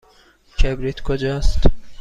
کبریت کجاست؟